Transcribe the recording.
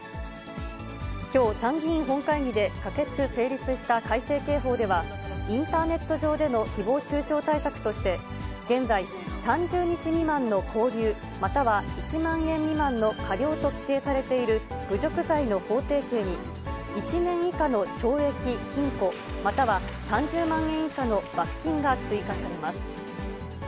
きょう、参議院本会議で可決・成立した改正刑法では、インターネット上でのひぼう中傷対策として、現在、３０日未満の拘留または１万円未満の科料と規定されている侮辱罪の法定刑に、１年以下の懲役・禁錮または、３０万円以下の罰金が追加されます。